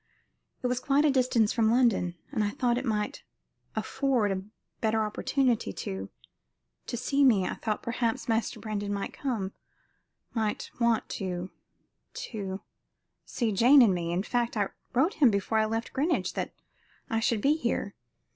It is quite a distance from London, and I thought it might afford a better opportunity to to see I thought, perhaps Master Brandon might come might want to to see Jane and me; in fact I wrote him before I left Greenwich that I should be here.